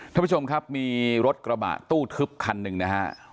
ท่านผู้ชมครับมีรถกระบะตู้ทึบคันหนึ่งนะฮะ